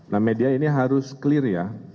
nah media ini harus clear ya